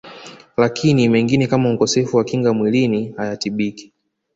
Lakini mengine kama Ukosefu wa Kinga Mwilini hayatibiki